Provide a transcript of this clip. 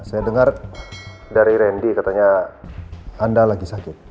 saya dengar dari randy katanya anda lagi sakit